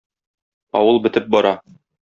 Авыл бетеп бара.